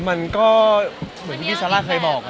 มันก็เหมือนที่พี่ซาร่าเคยบอก